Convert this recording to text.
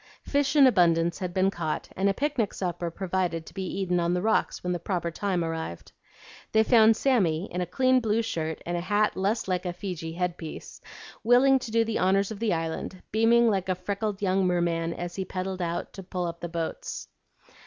Fish in abundance had been caught, and a picnic supper provided to be eaten on the rocks when the proper time arrived. They found Sammy, in a clean blue shirt and a hat less like a Feejee headpiece, willing to do the honors of the Island, beaming like a freckled young merman as he paddled out to pull up the boats.